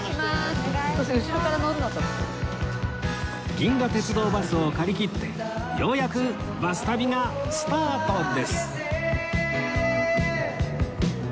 銀河鉄道バスを借り切ってようやくバス旅がスタートです